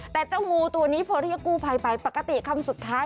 แต่เจ้างูตัวนี้พอเรียกกู้ภัยไปปกติคำสุดท้าย